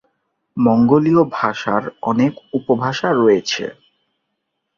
মঙ্গোলিয় ভাষার অনেক উপভাষা রয়েছে।